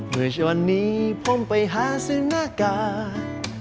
เมื่อวันนี้ผมไปหาซื้อหน้ากาก